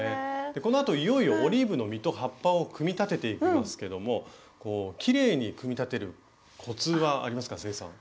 このあといよいよオリーブの実と葉っぱを組み立てていきますけどもきれいに組み立てるコツはありますか清さん。